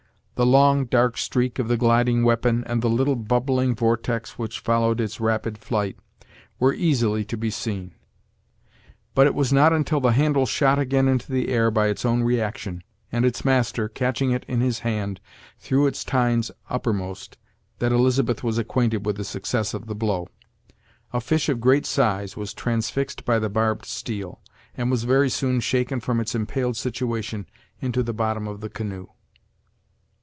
The long, dark streak of the gliding weapon, and the little bubbling vortex which followed its rapid flight, were easily to be seen: but it was not until the handle snot again into the air by its own reaction, and its master catching it in his hand, threw its tines uppermost, that Elizabeth was acquainted with the success of the blow. A fish of great size was transfixed by the barbed steel, and was very soon shaken from its impaled situation into the bottom of the canoe.